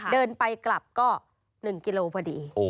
เดินไปกลับก็๑กิโลพอดี